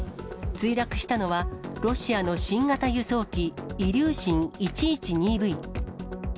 墜落したのはロシアの新型輸送機イリューシン１１２Ｖ。